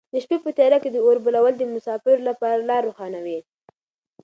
د شپې په تیاره کې د اور بلول د مساپرو لپاره لاره روښانوي.